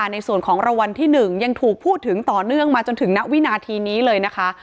ในส่วนของรางวัลที่๑ยังถูกพูดถึงต่อเนื่องมาจนถึงณวินาทีนี้เลยนะคะ